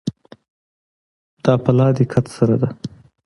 دا په لا دقت سره ده.